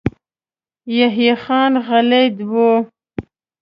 يحيی خان غلی و.